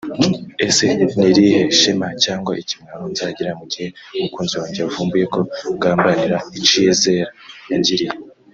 ese n’irihe shema cyangwa ikimwaro nzagira mu ighe umukunzi wanjye yavumbuye ko ngambanira iciyezer yangiriye